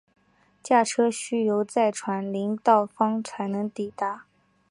驾车需由再转林道方能抵达。